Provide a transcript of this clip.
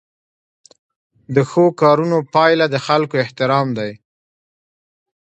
د ښو کارونو پایله د خلکو احترام دی.